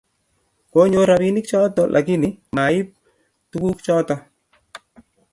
konyor rabinik choto lakini ma ib tuguk choto